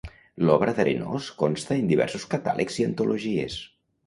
L'obra d'Arenós consta en diversos catàlegs i antologies.